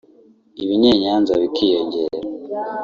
ibinyenyanza bikiyongera